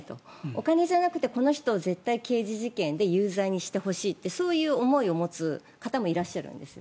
お金じゃないけどこの人、絶対刑事事件で有罪にしてほしいというそういう思いを持つ方もいらっしゃるんです。